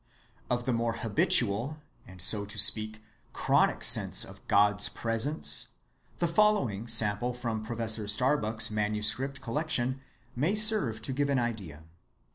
Of the more habitual and so to speak chronic sense of God's presence the following sample from Professor Starbuck's manuscript collection may serve to give an idea.